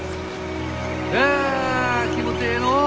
あ気持ちええのう！